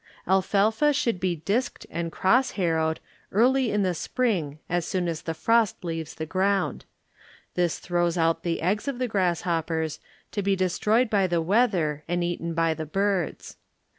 Alfalfa should be disked and cross harrowed early in the spring as soon as the frost leaves the ground. This throws out the eggs of the grasshoppers, to be destroyed by the weather and eaten by the birds.